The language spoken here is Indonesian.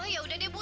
ya sudah ibu